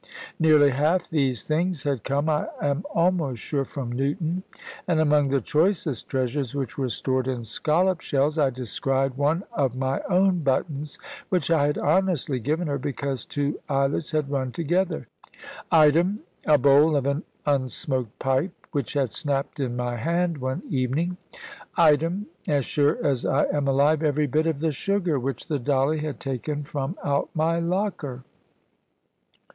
Nearly half these things had come, I am almost sure, from Newton; and among the choicest treasures which were stored in scollop shells, I descried one of my own buttons which I had honestly given her, because two eyelets had run together; item, a bowl of an unsmoked pipe (which had snapped in my hand one evening); item, as sure as I am alive, every bit of the sugar which the Dolly had taken from out my locker.